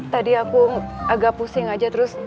tadi aku agak pusing aja terus